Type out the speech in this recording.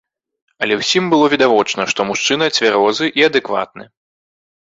Але ўсім было відавочна, што мужчына цвярозы і адэкватны.